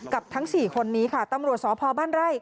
ทั้ง๔คนนี้ค่ะตำรวจสพบ้านไร่